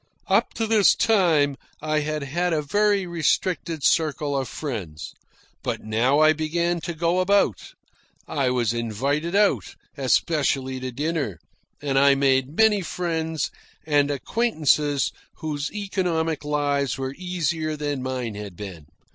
Up to this time I had had a very restricted circle of friends. But now I began to go about. I was invited out, especially to dinner, and I made many friends and acquaintances whose economic lives were easier than mine had been.